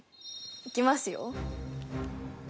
いきますよ。